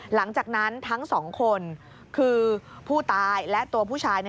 หลังจากนั้นทั้งสองคนคือผู้ตายและตัวผู้ชาย